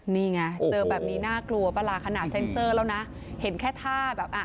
นี่ไงเจอแบบนี้น่ากลัวปะล่ะขนาดเซ็นเซอร์แล้วนะเห็นแค่ท่าแบบอ่ะ